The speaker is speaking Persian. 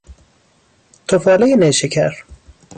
تفالهی نیشکر